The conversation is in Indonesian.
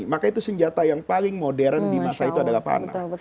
maka itu senjata yang paling modern di masa itu adalah panah